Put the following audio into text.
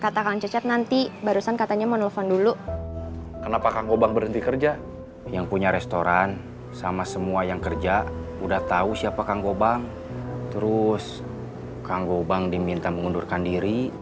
terus kang gobang diminta mengundurkan diri